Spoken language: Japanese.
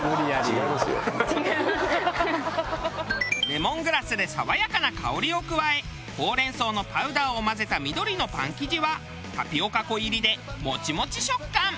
レモングラスで爽やかな香りを加えほうれん草のパウダーを混ぜた緑のパン生地はタピオカ粉入りでモチモチ食感。